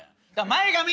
前髪。